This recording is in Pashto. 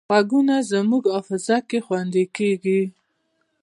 غږونه زموږ حافظه کې خوندي کېږي